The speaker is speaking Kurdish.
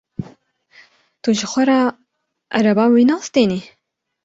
Tu ji xwe ra ereba wî nastînî?